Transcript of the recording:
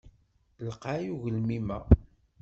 Lqay ugelmim-a.